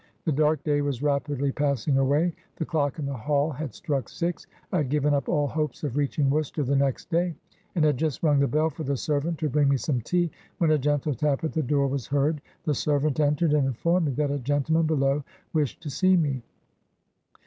The dark day was rapidly passing away; the clock in the hall had struck six; I had given up all hopes of reaching Worcester the next day, and had just rung the bell for the servant to bring me some tea, when a gentle tap at the door was heard; the servant entered, and informed me that a gentleman below wish ed to see me.